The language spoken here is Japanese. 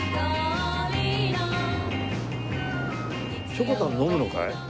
しょこたん飲むのかい？